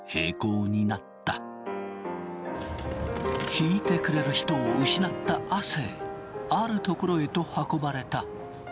弾いてくれる人を失った亜生ある所へと運ばれた。